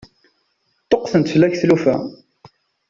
Ṭṭuqqtent fell-ak tlufa.